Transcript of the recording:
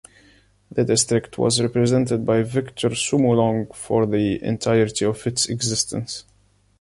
The district was represented by Victor Sumulong for the entirety of its existence.